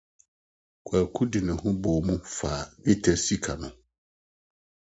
Kwaku de ne ho bɔɔ mu faa dwetɛ sika no.